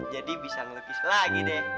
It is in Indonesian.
jadi bisa ngelukis lagi deh